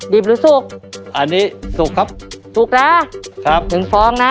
ดิบหรือสุกอันนี้สุกครับสุกนะครับหนึ่งฟองนะ